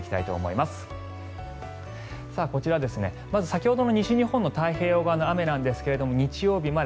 まず先ほどの西日本の太平洋側の雨なんですが日曜日まで。